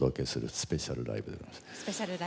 スペシャルライブです。